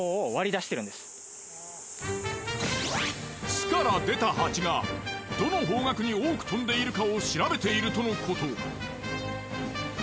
巣から出たハチがどの方角に多く飛んでいるかを調べているとのこと。